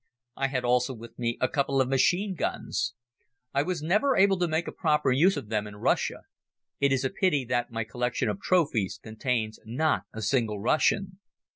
I had also with me a couple of machine guns. I was never able to make proper use of them in Russia. It is a pity that my collection of trophies contains not a single Russian.